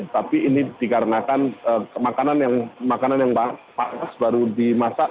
tapi ini dikarenakan ke makanan yang makanan yang paksa baru dimasak